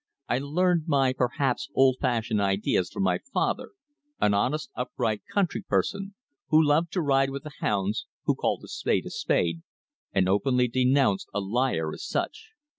I learned my, perhaps, old fashioned ideas from my father, an honest, upright, country parson, who loved to ride with the hounds, who called a spade a spade, and openly denounced a liar as such.